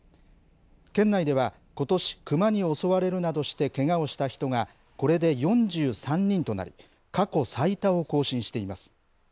県内ではことし、クマに襲われるなどしてけがをした人が、これで４３人となり、過去最多を更新しています。